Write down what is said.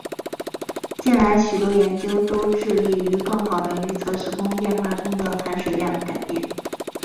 近来许多研究都致力于更好地预测时空变化中的含水量改变。